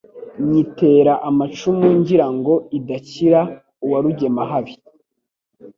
Nyitera amacumu ngira ngo idakira uwa Rugemahabi